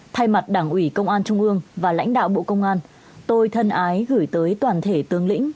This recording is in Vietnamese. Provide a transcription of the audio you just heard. thay mặt đảng ủy công an trung ương và lãnh đạo bộ công an tôi thân ái gửi tới toàn thể tướng lĩnh